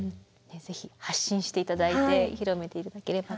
ぜひ発信して頂いて広めて頂ければ。